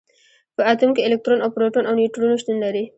په اتوم کې الکترون او پروټون او نیوټرون شتون لري.